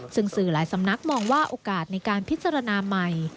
ซึ่งสื่อหลายสำนักมองว่าโอกาสในการพิจารณาใหม่